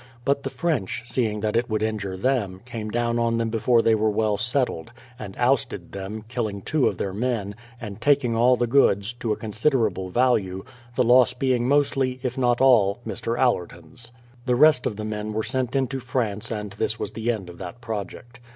But the French, seeing that it would injure them, came down on them before they were well settled, and ousted them, killing two of their men, and taking all the goods, to a considerable value, the loss being mostly, if not all Mr. Allerton's. The rest of the men were sent into France and this was the end of that project.